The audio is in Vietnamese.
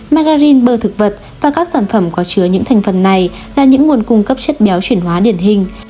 magarin bơ thực vật và các sản phẩm có chứa những thành phần này là những nguồn cung cấp chất béo chuyển hóa điển hình